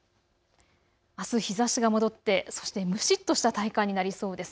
あす日ざしが戻ってそして蒸しっとした体感になりそうです。